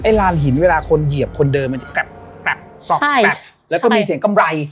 ลานหินเวลาคนเหยียบคนเดินมันจะกลับตอกหนักแล้วก็มีเสียงกำไร